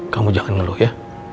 kamu jangan ngeluh ya